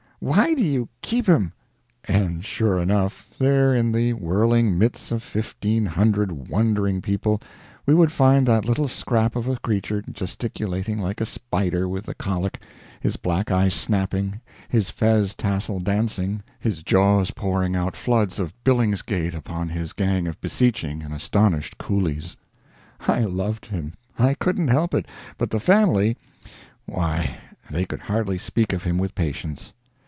Why do you keep him?" And, sure enough, there in the whirling midst of fifteen hundred wondering people we would find that little scrap of a creature gesticulating like a spider with the colic, his black eyes snapping, his fez tassel dancing, his jaws pouring out floods of billingsgate upon his gang of beseeching and astonished coolies. I loved him; I couldn't help it; but the family why, they could hardly speak of him with patience.